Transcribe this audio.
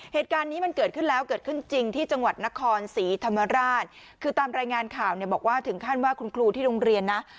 เหตุการณ์นี้มันเกิดขึ้นแล้วเกิดขึ้นจริงที่จังหวัดนครศรีธรรมราชคือตามรายงานข่าวเนี่ยบอกว่าถึงขั้นว่าคุณครูที่โรงเรียนนะ